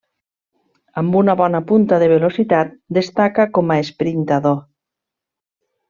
Amb una bona punta de velocitat destaca com a esprintador.